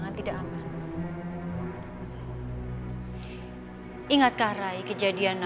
kita tetap harus membaiki kemampuan pribadi untuk mencobanya